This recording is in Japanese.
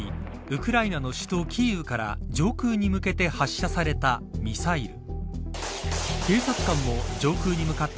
ウクライナの首都キーウから上空に向けて発射されたミサイル。